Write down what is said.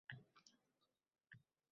muhokamalar esa umrni qirqadi.